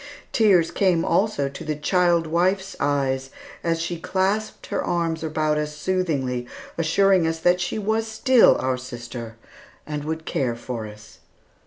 Tears came also to the child wife's eyes as she clasped her arms about us soothingly, assuring us that she was still our sister, and would care for us.